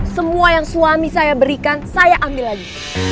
semua yang suami saya berikan saya ambil lagi